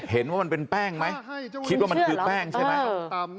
เห็นว่ามันเป็นแป้งไหมคิดว่ามันคือแป้งใช่ไหม